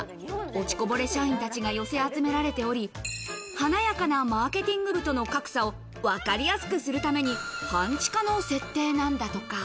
落ちこぼれ社員たちが寄せ集められており、華やかなマーケティング部との格差をわかりやすくするために、半地下の設定なんだとか。